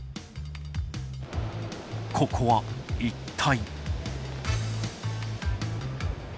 ここは一体。